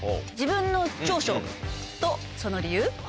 「自分の長所とその理由」。